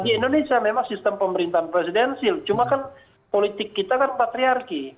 di indonesia memang sistem pemerintahan presidensil cuma kan politik kita kan patriarki